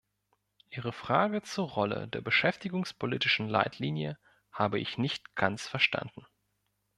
Ihre Frage zur Rolle der beschäftigungspolitischen Leitlinien habe ich nicht ganz verstanden.